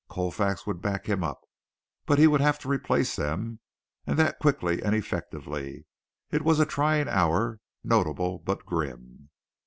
Colfax would back him up, but he would have to replace them. And that quickly and effectively. It was a trying hour, notable but grim.